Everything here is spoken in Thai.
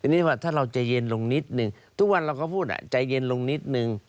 นี่ว่าถ้าเราใจเย็นลงนิดนึงทุกวันเราก็พูดใจเย็นลงนิดนึง